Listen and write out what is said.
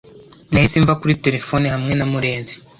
Nahise mva kuri terefone hamwe na murenzi